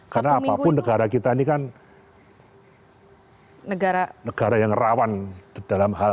karena apapun negara kita ini kan negara yang rawan dalam hal